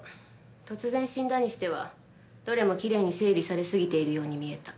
突然死んだにしてはどれもきれいに整理されすぎているように見えた。